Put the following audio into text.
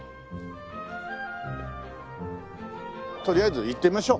とりあえず行ってみましょう。